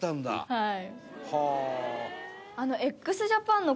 はい。